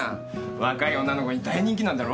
若い女の子に大人気なんだろ？